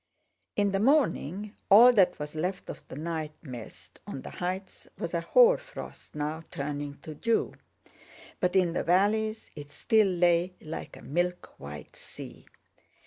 In the morning all that was left of the night mist on the heights was a hoar frost now turning to dew, but in the valleys it still lay like a milk white sea.